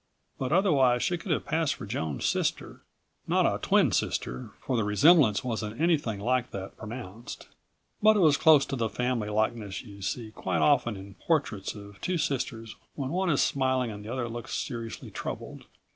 But otherwise she could have passed for Joan's sister. Not a twin sister, for the resemblance wasn't anything like that pronounced. But it was close to the family likeness you see quite often in portraits of two sisters when one is smiling and the other looks seriously troubled.